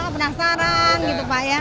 penasaran gitu pak ya